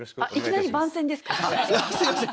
いきなり番宣ですか？